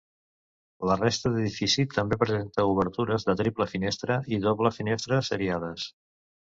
La resta d'edifici també presenta obertures de triple finestra i doble finestra seriades.